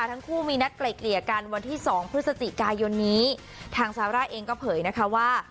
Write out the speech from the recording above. ทั้งคู่มีนัดไกล่เกลี่ยกันวันที่สองพฤศจิกายนนี้ทางซาร่าเองก็เผยนะคะว่า